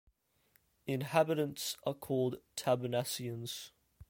Inhabitants are called "Tabernacians".